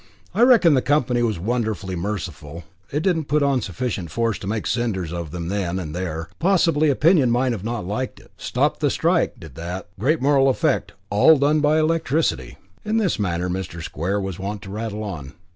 I reckon the company was wonderfully merciful it didn't put on sufficient force to make cinders of them then and there; possibly opinion might not have liked it. Stopped the strike, did that. Great moral effect all done by electricity." In this manner Mr. Square was wont to rattle on.